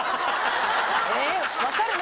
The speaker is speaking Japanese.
分かるの？